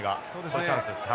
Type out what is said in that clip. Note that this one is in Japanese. これチャンスです。